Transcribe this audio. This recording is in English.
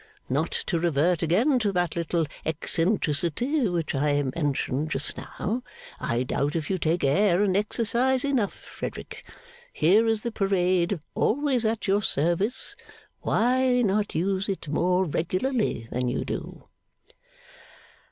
Not to revert again to that little eccentricity which I mentioned just now, I doubt if you take air and exercise enough, Frederick. Here is the parade, always at your service. Why not use it more regularly than you do?